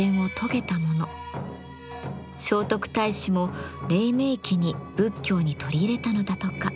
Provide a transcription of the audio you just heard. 聖徳太子も黎明期に仏教に取り入れたのだとか。